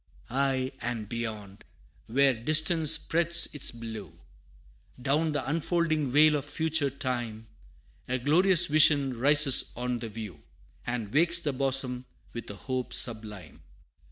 Aye and beyond, where distance spreads its blue, Down the unfolding vale of future time, A glorious vision rises on the view, And wakes the bosom with a hope sublime.